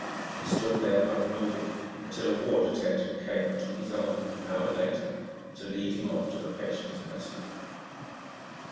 He stood there unmoving until a ward attendant came and took his arm an hour later to lead him off to the patients' mess hall.